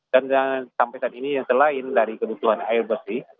dan sampai saat ini yang selain dari kebutuhan air bersih